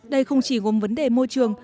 đây không chỉ gồm vấn đề môi trường